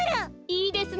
いいですね。